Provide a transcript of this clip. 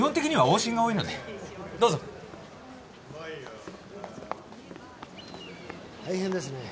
大変ですね。